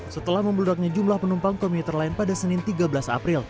setelah membeludaknya jumlah penumpang komuter lain pada senin tiga belas april